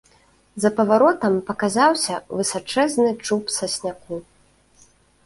За паваротам паказаўся высачэзны чуб сасняку.